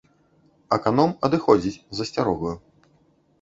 Аканом адыходзіць з асцярогаю.